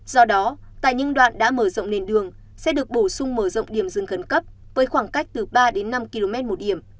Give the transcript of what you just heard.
do đó tại những đoạn đã mở rộng nền đường sẽ được bổ sung mở rộng điểm dừng khẩn cấp với khoảng cách từ ba đến năm km một điểm